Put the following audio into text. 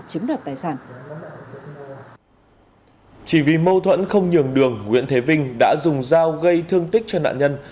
chỉ vì mâu thuẫn không nhường đường nguyễn thế vinh đã dùng dao gây thương tích cho nạn nhân